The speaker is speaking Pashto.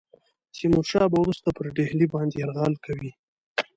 تیمور شاه به وروسته پر ډهلي باندي یرغل کوي.